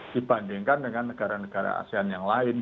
dibandingkan dengan negara negara asean yang lain